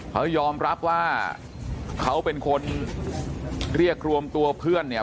เขายอมรับว่าเขาเป็นคนเรียกรวมตัวเพื่อนเนี่ย